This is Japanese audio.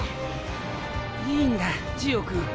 いいんだジオ君。